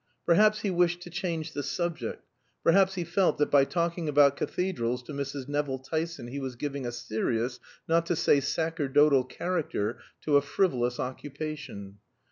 Perhaps he wished to change the subject; perhaps he felt that by talking about cathedrals to Mrs. Nevill Tyson he was giving a serious, not to say sacerdotal, character to a frivolous occupation.